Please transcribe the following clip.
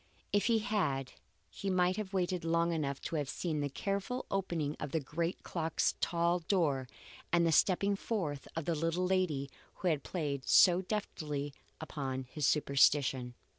If he had, he might have waited long enough to have seen the careful opening of the great clock's tall door and the stepping forth of the little lady who had played so deftly upon his superstition.